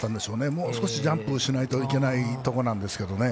もう少しジャンプをしないといけないところなんですけどね